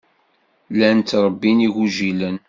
Llan ttṛebbin igujilen.